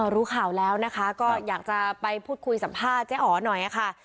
รู้ข่าวแล้วนะคะก็อยากจะไปพูดคุยสัมภาษณ์เจ๊อ๋อหน่อยค่ะ